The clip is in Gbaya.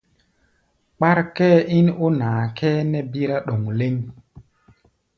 Kpár kʼɛ́ɛ́ ín ó naa kʼɛ́ɛ́ nɛ́ bírá ɗoŋ lɛ́ŋ.